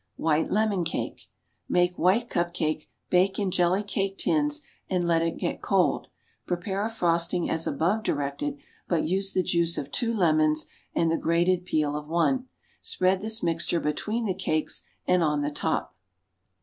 White Lemon Cake. Make "white cup cake," bake in jelly cake tins and let it get cold. Prepare a frosting as above directed, but use the juice of two lemons and the grated peel of one. Spread this mixture between the cakes and on the top.